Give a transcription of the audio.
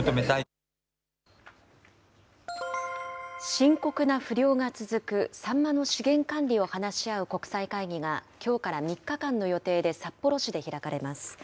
深刻な不漁が続くサンマの資源管理を話し合う国際会議がきょうから３日間の予定で札幌市で開かれます。